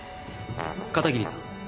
片桐さん